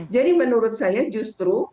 jadi menurut saya justru